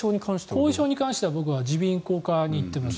後遺症に関しては僕は耳鼻咽喉科に行っています。